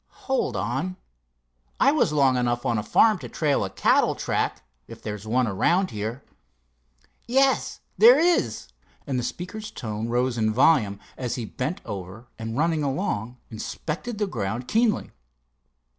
Hold on. I was long enough on a farm to trail a cattle track, if there's one around here. Yes, there is," and the speaker's tone rose in volume as he bent over and, running along, inspected the ground keenly.